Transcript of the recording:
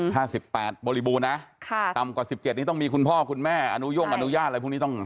ตอนที่มีผัวแค้งส่องมันดูแลให้ถูกต้อง